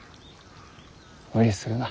無理するな。